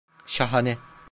Şahane.